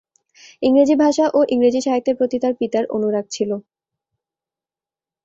ইংরেজি ভাষা ও ইংরেজি সাহিত্যের প্রতি তার পিতার অনুরাগ ছিল।